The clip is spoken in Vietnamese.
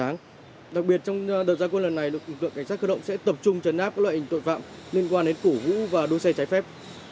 ngoài ra trong đợt gia quân lần này lực lượng cảnh sát cơ động sẽ tập trung đấu tranh chấn áp các loại hình tội phạm liên quan đến củ vũ và đua xe trái phép